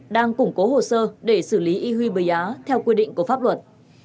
đang củng cố hồ sơ để xử lý y huy bờ giá theo quy định của pháp luật